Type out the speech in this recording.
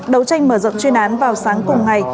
đấu tranh mở rộng chuyên án vào sáng cùng ngày